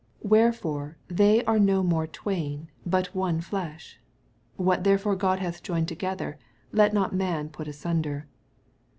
6 Wherefore they are no more twain, but one flesh. What therefore God hath joined together, let not man put asunder.